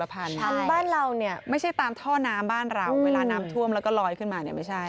บ้านเราเนี่ยไม่ใช่ตามท่อน้ำบ้านเราเวลาน้ำท่วมแล้วก็ลอยขึ้นมาเนี่ยไม่ใช่